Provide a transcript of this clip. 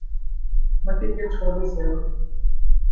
مٹی کے چولہے صحت